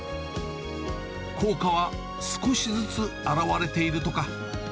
効果は少しずつ表れているとか。